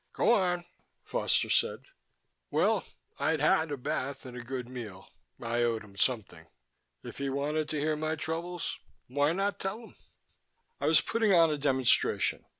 "Go on," Foster said. Well, I'd had a bath and a good meal. I owed him something. If he wanted to hear my troubles, why not tell him? "I was putting on a demonstration.